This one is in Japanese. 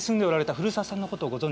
古沢さん